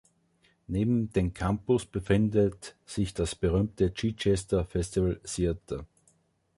Neben dem Campus befindet sich das berühmte Chichester Festival Theatre.